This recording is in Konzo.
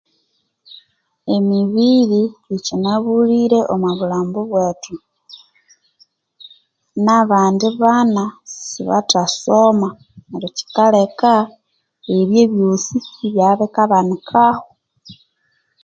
Emibiri yikyinabulire omwabulhambu bwethu nabandi bana sibathasoma neryo kyikaleka ebi ebyosi ibyabya bikabanikaho